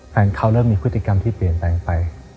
แฟนเขาเริ่มมีพฤติกรรมที่เปลี่ยนแปลงไป